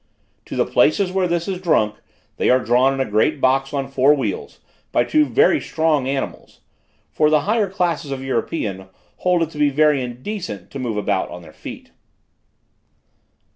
To the places where this is drunk, they are drawn in a great box on four wheels, by two very strong animals; for the higher classes of Europeans hold it to be very indecent to move about on their feet.